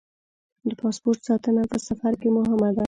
د پاسپورټ ساتنه په سفر کې مهمه ده.